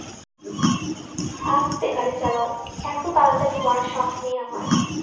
আস্তে গাড়ি চালাও, এত তাড়াতাড়ি মরার শখ নেই আমার।